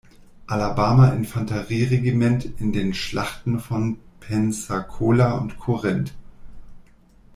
Alabama-Infanterieregiment in den Schlachten von Pensacola und Corinth.